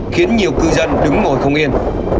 khiến nhiều cư dân đứng ngồi không yên